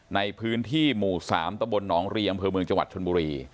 ในพื้นที่หมู่๓ตะบลหนองเรียงอำเภอเมืองจังหวัดชนบุรี